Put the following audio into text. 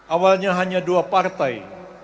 awalnya hanya dua partai